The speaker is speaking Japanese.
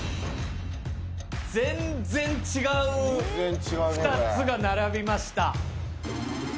全然違う２つが並びました。